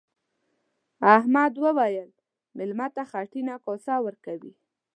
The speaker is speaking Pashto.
احمد وويل: مېلمه ته خټینه کاسه ورکوي.